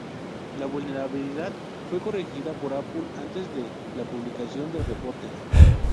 La vulnerabilidad fue corregida por Apple antes de la publicación del reporte.